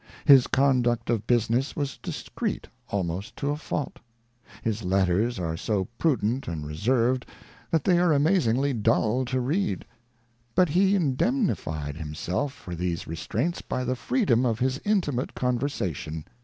His conduct of business was discreet almost to a fatdt ; his letters are so prudent and reserved that they are amazingly dull to read ; but he indemnified himself for these restraints by the freedom of his intimate conversa tion.